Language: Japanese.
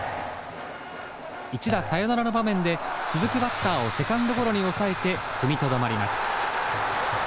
一打サヨナラの場面で続くバッターをセカンドゴロに抑えて踏みとどまります。